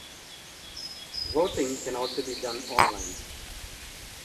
Voting can also be done online.